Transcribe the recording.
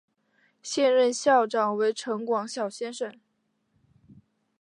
现任校长为陈广尧先生。